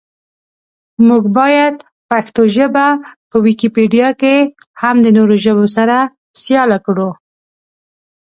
مونږ باید پښتو ژبه په ویکیپېډیا کې هم د نورو ژبو سره سیاله کړو.